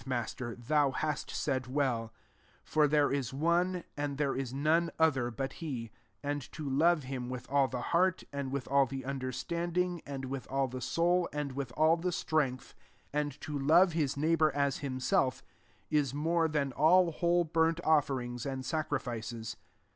Master, thou hast said well : for there is one; and there is none other but he : 33 ai}d to love him with all the heart, and with all the under standing, and with all the soul, and with all the strength, and to love hia neighbour as himself, is more than all whole burnt offerings and sacrifices.